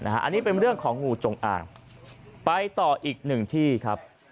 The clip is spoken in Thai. อันนี้เป็นเรื่องของงูจงอ่างไปต่ออีกหนึ่งที่ครับ